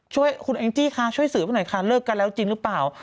ช่วยคุณแองจี้คะช่วยสืบไปหน่อยค่ะเลิกกันแล้วจริงหรือเปล่า